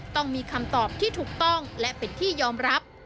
ต้องมีคำตอบที่ถูกต้องและเป็นที่ยอมรับ